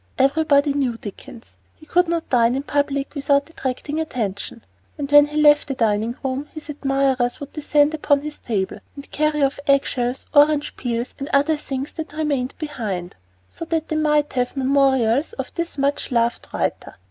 Everybody knew Dickens. He could not dine in public without attracting attention. When he left the dining room, his admirers would descend upon his table and carry off egg shells, orange peels, and other things that remained behind, so that they might have memorials of this much loved writer.